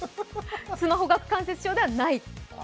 スマホ顎関節症ではない。